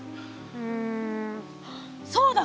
うんそうだ！